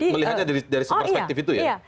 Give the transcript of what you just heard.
melihatnya dari perspektif itu ya